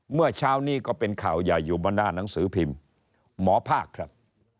เมื่อเช้านี้ก็เป็นข่าวใหญ่อยู่บนหน้าหนังสือพิมพ์หมอภาคครับ